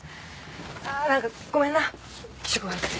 なんかごめんな気色悪くて。